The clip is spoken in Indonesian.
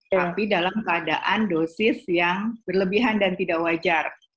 tapi dalam keadaan dosis yang berlebihan dan tidak wajar